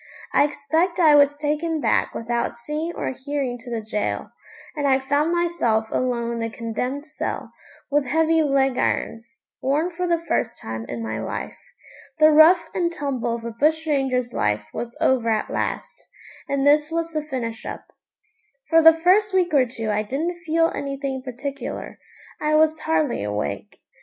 I expect I was taken back without seeing or hearing to the gaol, and I found myself alone in the condemned cell, with heavy leg irons worn for the first time in my life. The rough and tumble of a bush ranger's life was over at last, and this was the finish up. For the first week or two I didn't feel anything particular. I was hardly awake.